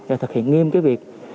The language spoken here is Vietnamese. và thực hiện nghiêm cái việc